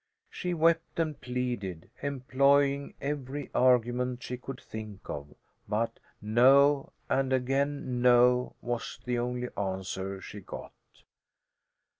She wept and pleaded, employing every argument she could think of, but "No," and again "No" was the only answer she got.